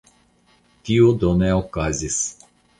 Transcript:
Tio do ne okazis.